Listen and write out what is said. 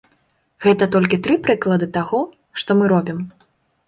Гэта толькі тры прыклады таго, што мы робім.